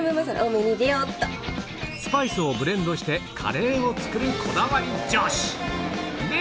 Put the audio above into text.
スパイスをブレンドしてカレーを作るこだわり女子んで！